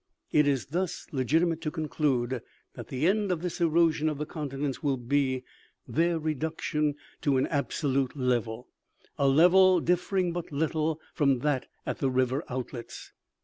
It is thus legit imate to conclude that the end of this erosion of the conti nents will be their reduction to an absolute level, a level differing but little from that at the river outlets."